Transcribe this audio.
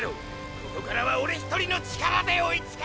ここからはオレ一人の力で追いつく。